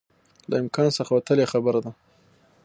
له امکان څخه وتلی خبره ده